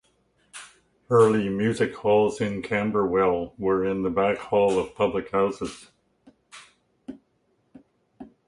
Early music halls in Camberwell were in the back hall of public houses.